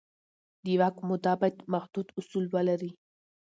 د واک موده باید محدود اصول ولري